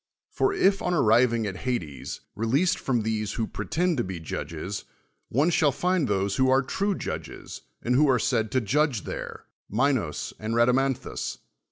For i[', on arriving at Hades, released from these who ]^retend to be judges, one shall find those who nve true judges, and who are said to judge there, ^linos and Rhadamanthus